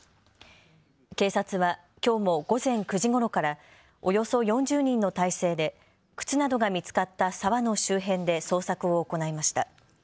警察はきょうも午前９時ごろからおよそ４０人の態勢で靴などが見つかった沢の周辺で捜索を行いました。